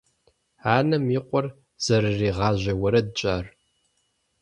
Анэм и къуэр зэрыригъажьэ уэрэдщ ар.